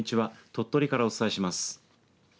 鳥取からお伝えします。